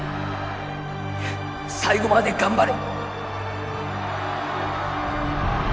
最後まで頑張れ！